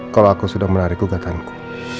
kalau aku sudah menarik gugatanku